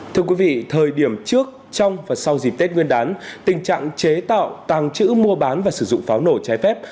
thưa quý vị thời điểm trước trong và sau dịp tết nguyên đán tình trạng chế tạo tàng trữ mua bán và sử dụng pháo nổ trái phép